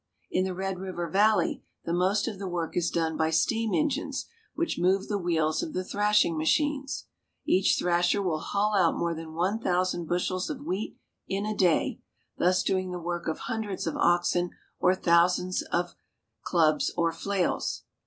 In the Red River Valley the most of the work is done by steam engines which move the wheels of the thrashing machines. Each thrasher will hull out more than one thousand bushels of wheat in a day, thus doing the work of hundreds of oxen or thousands of clubs or flails.